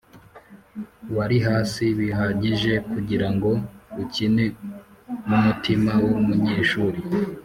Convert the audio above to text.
wari hasi bihagije kugirango ukine numutima wumunyeshuri